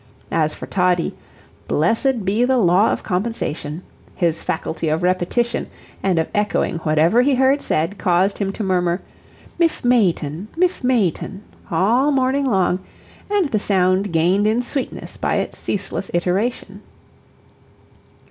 As for Toddie blessed be the law of compensation! his faculty of repetition, and of echoing whatever he heard said, caused him to murmur "Miff Mayton, Miff Mayton," all morning long, and the sound gained in sweetness by its ceaseless iteration.